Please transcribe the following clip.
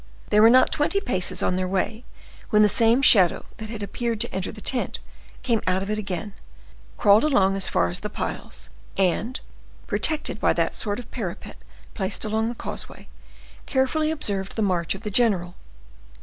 They were not twenty paces on their way when the same shadow that had appeared to enter the tent came out of it again, crawled along as far as the piles, and, protected by that sort of parapet placed along the causeway, carefully observed the march of the general.